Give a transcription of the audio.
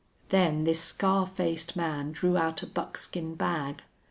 Then this scar faced man drew out a buckskin bag.